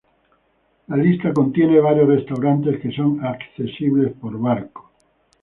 La isla contiene varios restaurantes que son accesibles por barco.